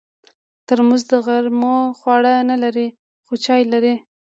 ترموز د غرمو خواړه نه لري، خو چای لري.